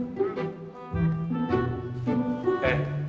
ini dia mas